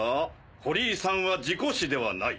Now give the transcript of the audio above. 堀井さんは事故死ではない。